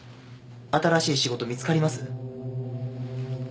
新しい仕事見つかります？